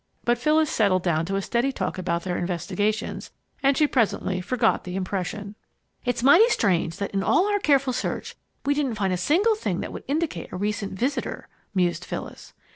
But Phyllis settled down to steady talk about their investigations and she presently forgot the impression. "It's mighty strange that in all our careful search we didn't find a single thing that would indicate a recent visitor," mused Phyllis.